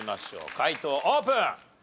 解答オープン！